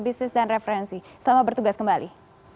bisnis dan referensi selamat bertugas kembali